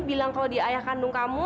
bilang kalau di ayah kandung kamu